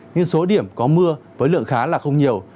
nhưng số điểm có mưa với lượng khá là không nhiều